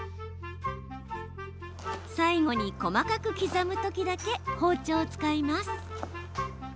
最後に細かく刻むときだけ包丁を使います。